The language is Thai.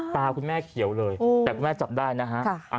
ตาคุณแม่เขียวเลยแต่คุณแม่จับได้นะฮะ